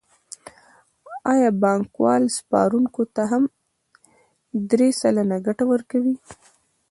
آیا بانکوال سپارونکو ته هم درې سلنه ګټه ورکوي